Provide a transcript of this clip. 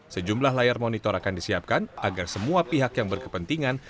sejumlah layar monitor akan disiapkan agar semua pihak yang berkepentingan